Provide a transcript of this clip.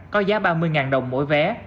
có giá ba mươi đồng mỗi vé